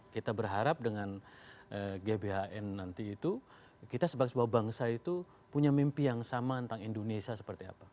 kita berharap dengan gbhn nanti itu kita sebagai sebuah bangsa itu punya mimpi yang sama tentang indonesia seperti apa